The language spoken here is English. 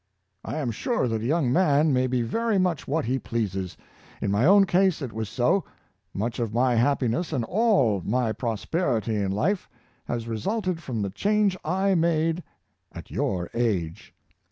I am sure that a young man may be very much what he pleases. In my own case it was so. Much of my happiness, and all my prosperity in life, have resulted from the change I made at your age.